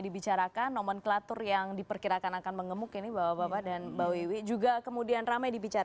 dan semestinya itu tidak terjadi di periode kedua ini ya